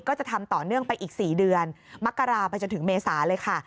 ก็จะทำต่อเนื่องไปอีก๔เดือนมกราไปจนถึงเมษาเลยค่ะ